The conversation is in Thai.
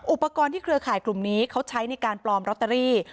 อุปกรณ์ที่เครือข่ายกลุ่มนี้เขาใช้ในการปลอมลอตเตอรี่